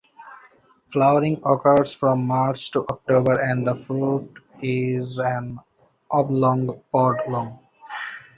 Flowering occurs from March to October and the fruit is an oblong pod long.